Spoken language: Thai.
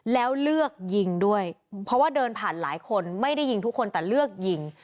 แล้วเลือกยิงด้วยเพราะว่าเดินผ่านหลายคนไม่ได้ยิงทุกคนแต่เลือกยิง